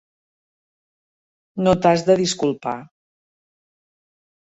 No t'has de disculpar.